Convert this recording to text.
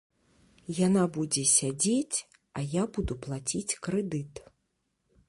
Яна будзе сядзець, а я буду плаціць крэдыт.